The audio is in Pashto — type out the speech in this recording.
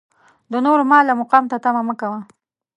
د نورو مال او مقام ته طمعه مه کوه.